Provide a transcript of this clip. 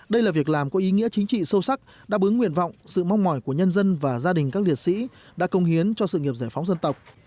đây là việc làm có ý nghĩa chính trị sâu sắc đáp ứng nguyện vọng sự mong mỏi của nhân dân và gia đình các liệt sĩ đã công hiến cho sự nghiệp giải phóng dân tộc